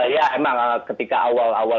ya emang ketika awal awal